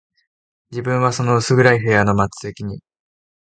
自分はその薄暗い部屋の末席に、